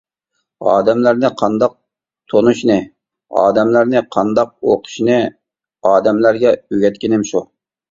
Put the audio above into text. ئادەملەرنى قانداق تونۇشنى، ئادەملەرنى قانداق ئوقۇشنى، ئادەملەرگە ئۆگەتكىنىم شۇ.